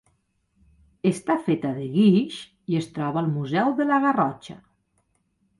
Està feta de guix i es troba al Museu de la Garrotxa.